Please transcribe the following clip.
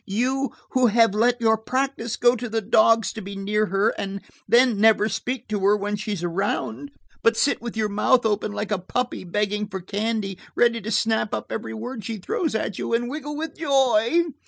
You, who have let your practice go to the dogs to be near her, and then never speak to her when she's around, but sit with your mouth open like a puppy begging for candy, ready to snap up every word she throws you and wiggle with joy!"